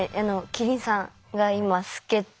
キリンさんが今透けて。